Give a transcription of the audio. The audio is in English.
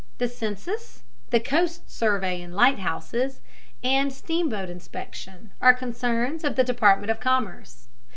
The census, the coast survey and lighthouses, and steamboat inspection are concerns of the Department of Commerce.